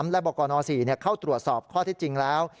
และบกน๔เข้าตรวจสอบข้อที่จริงแล้ว